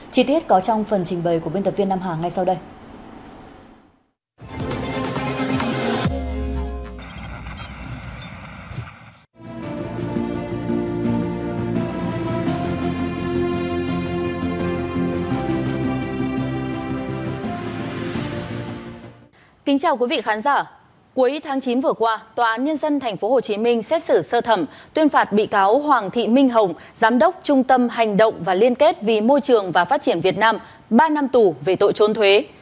chi tiết có trong phần trình bày